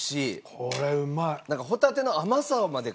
これうまい！